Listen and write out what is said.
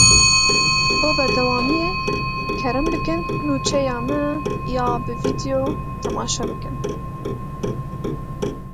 Bo berdewamiyê kerem bikin nûçeya me ya bi vîdeo temaşe bikin.